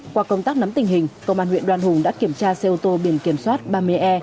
qua công tác nắm tình hình công an huyện đoan hùng đã kiểm tra xe ô tô biển kiểm soát ba mươi e một mươi bốn nghìn năm mươi tám